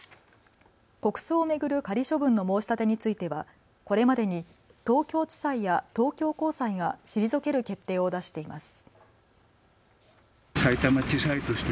国葬を巡る仮処分の申し立てについてはこれまでに東京地裁や東京高裁が退ける決定を出しています。